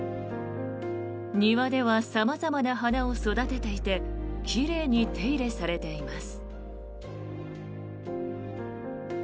庭では様々な花を育てていて奇麗に手入れされています。